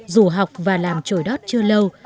dù học và làm trồi đót chưa lâu